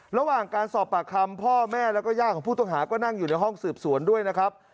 ระหว่างการสอบปากคำพ่อแม่แล้วก็ย่าของผู้ต้องหาก็นั่งอยู่ในห้องสืบสวนด้วยนะครับ